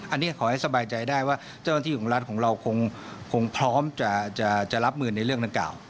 อันนี้ขอให้สบายใจได้ว่าเจ้าหน้าที่ของรัฐของเราคงพร้อมจะรับมือในเรื่องดังกล่าว